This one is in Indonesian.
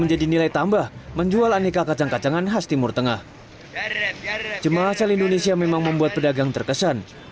jemaah asal indonesia memang membuat pedagang terkesan